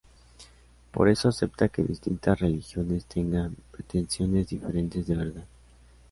Por eso acepta que distintas religiones tengan pretensiones diferentes de verdad.